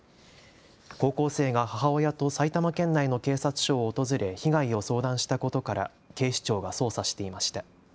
高校生が母親と埼玉県内の警察署を訪れ被害を相談したことから警視庁が捜査していました。